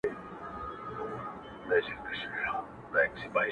فشار احساسوي دننه-